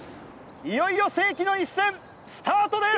いよいよ世紀の一戦スタートです！